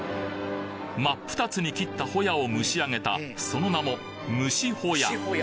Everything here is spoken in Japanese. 真っ二つに切ったホヤを蒸しあげたその名も「蒸しホヤ」